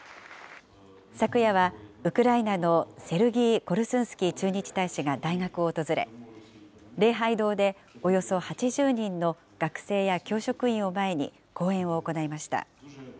昨夜はウクライナのセルギー・コルスンスキー駐日大使が大学を訪れ、礼拝堂でおよそ８０人の学生や教職員を前に、講演を行いました。